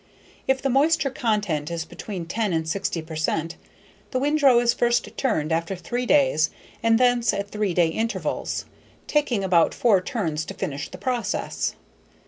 If the moisture content is between 10 and 60 percent, the windrow is first turned after three days and thence at three day intervals, taking about four turns to finish the process.